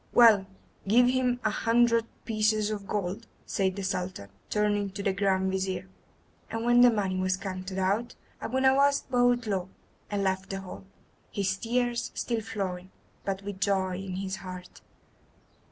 "Well, give him a hundred pieces of gold," said the Sultan, turning to the Grand Vizir. And when the money was counted out Abu Nowas bowed low, and left the hall, his tears still flowing, but with joy in his heart.